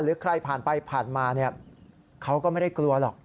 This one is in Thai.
หรือใครผ่านไปผ่านมาเขาก็ไม่ได้กลัวหรอก